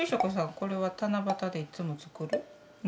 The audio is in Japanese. これは七夕でいつも作るの？